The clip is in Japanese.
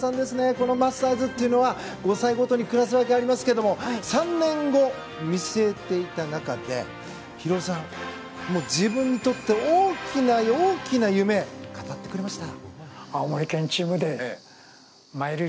このマスターズというのは５歳ごとにクラス分けがありますが３年後を見据えていた中で博男さん、自分にとって大きな大きな夢を語ってくれました。